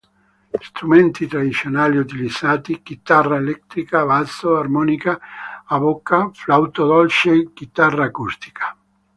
Strumenti tradizionali utilizzati: chitarra elettrica, basso, armonica a bocca, flauto dolce, chitarra acustica.